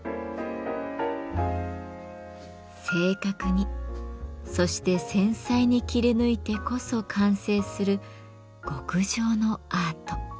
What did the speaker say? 正確にそして繊細に切り抜いてこそ完成する極上のアート。